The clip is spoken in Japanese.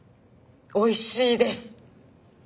おいしいです。